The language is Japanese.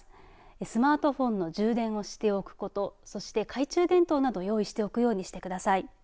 スマートフォンの充電をしておくこと、そして懐中電灯など用意しておくようにしてください。